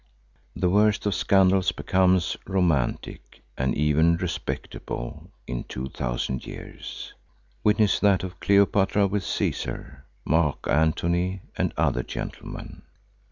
The worst of scandals becomes romantic and even respectable in two thousand years; witness that of Cleopatra with Cæsar, Mark Antony and other gentlemen.